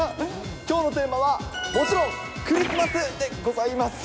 きょうのテーマは、もちろんクリスマスでございます。